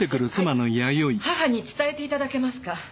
義母に伝えていただけますか。